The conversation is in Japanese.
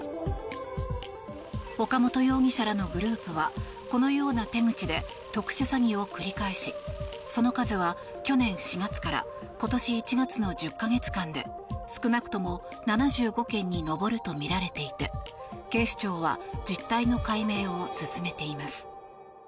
岡本容疑者らのグループはこのような手口で特殊詐欺を繰り返しその数は、去年４月から今年１月の１０か月間で少なくとも７５件に上るとみられていて警視庁は実態の解明を進めています。